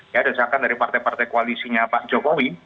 ya desakan dari partai partai koalisinya pak jokowi